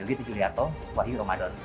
yogyakarta wahyu ramadan